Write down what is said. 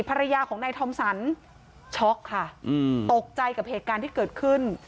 ภรรยาของนายทอมสรรช็อกค่ะตกใจกับเหตุการณ์ที่เกิดขึ้น